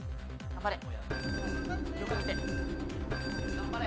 頑張れ。